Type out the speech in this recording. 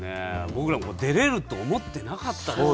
僕らも出れると思ってなかったですからね